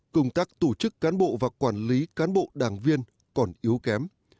công tác tổ chức cán bộ và quản lý cán bộ đảng viên còn yếu kém